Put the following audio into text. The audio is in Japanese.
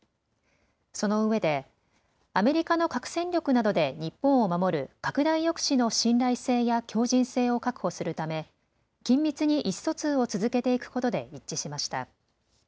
そのうえで、アメリカの核戦力などで日本を守る拡大抑止の信頼性や強じん性を確保するため緊密に意思疎通を続けていくことで一致しました。